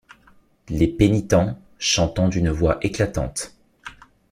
Les pénitents, chantant d’une voix éclatante.